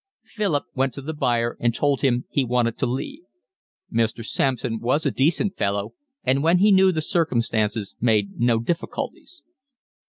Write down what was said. Philip went to the buyer and told him he wanted to leave. Mr. Sampson was a decent fellow, and when he knew the circumstances made no difficulties.